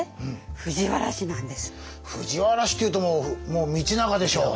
藤原氏っていうともうもう道長でしょう。